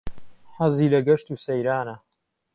حهزی له گهشت و سهیرانه